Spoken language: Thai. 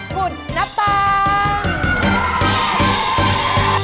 คุณนับตังค์